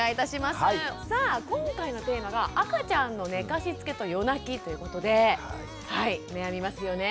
さあ今回のテーマが「赤ちゃんの寝かしつけと夜泣き」ということではい悩みますよね。